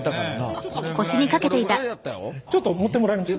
ちょっと持ってもらえます？